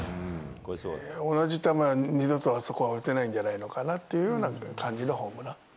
同じ球が二度とあそこは打てないんじゃないかなと感じるホームラン。